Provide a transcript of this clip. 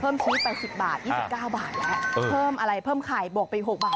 เพิ่มชีสไป๑๐บาท๒๙บาทแหละเพิ่มอะไรเพิ่มไข่บวกไป๖บาท